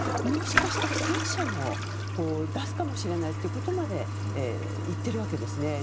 もしかしたら戦車も出すかもしれないということまで言っているわけですね。